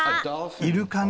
イルカね。